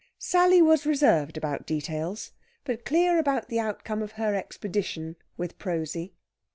Sally was reserved about details, but clear about the outcome of her expedition with Prosy.